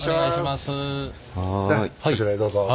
ではこちらへどうぞ。